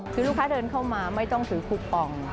คือลูกค้าเดินเข้ามาไม่ต้องถือคูปอง